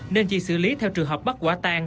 nên chỉ xử lý theo trường hợp bắt quả tan